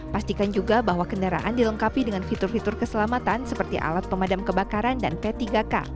pastikan juga bahwa kendaraan dilengkapi dengan fitur fitur keselamatan seperti alat pemadam kebakaran dan p tiga k